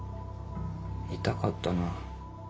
痛かったな。